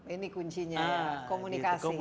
ini kuncinya komunikasi